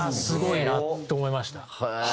すごいなと思いました。